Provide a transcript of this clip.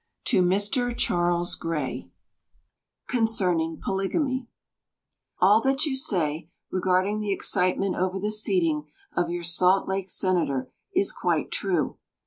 To Mr. Charles Gray Concerning Polygamy All that you say, regarding the excitement over the seating of your Salt Lake Senator, is quite true.